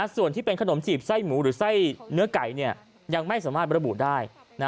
ส่วนที่เป็นขนมจีบไส้หมูหรือไส้เนื้อไก่